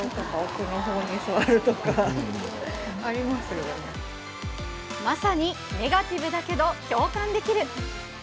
ファンもまさにネガティブだけど共感できる。